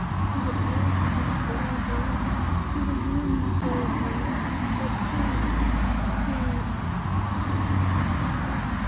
— To the breast that bore her. To the yearning for her, That fills me, day and night